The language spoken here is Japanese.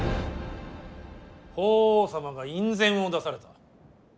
法皇様が院宣を出された。